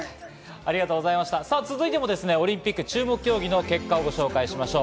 続いてもオリンピック注目競技の結果をご紹介しましょう。